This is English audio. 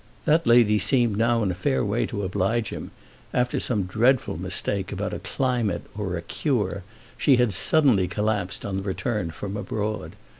That lady seemed now in a fair way to oblige him; after some dreadful mistake about a climate or a "cure" she had suddenly collapsed on the return from abroad.